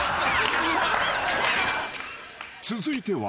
［続いては］